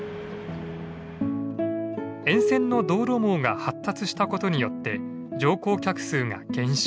沿線の道路網が発達したことによって乗降客数が減少。